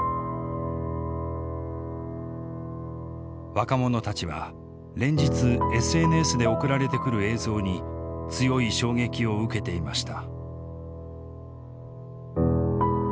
若者たちは連日ＳＮＳで送られてくる映像に強い衝撃を受けていました。